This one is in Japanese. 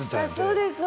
そうです